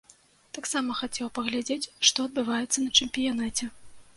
Таксама хацеў паглядзець, што адбываецца на чэмпіянаце.